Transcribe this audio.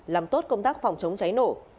làm tốt công tác phòng chống cháy nổ